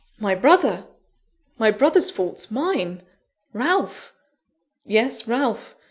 "My brother! my brother's faults mine! Ralph!" "Yes, Ralph.